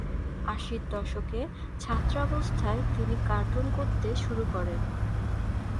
আশির দশকে ছাত্রাবস্থায় তিনি কার্টুন করতে শুরু করেন।